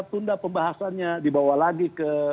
tunda pembahasannya dibawa lagi